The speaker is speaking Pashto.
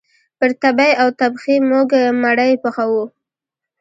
پر تبۍ او تبخي موږ مړۍ پخوو